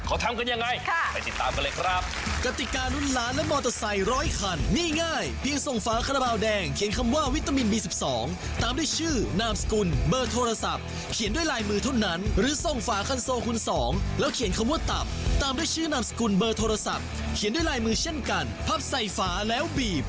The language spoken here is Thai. ขอทำกันยังไงไปติดตามกันเลยครับ